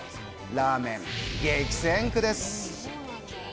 ラーメン激戦区です。